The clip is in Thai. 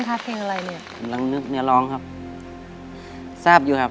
ร้องยิ่งกะซาบอยู่ครับ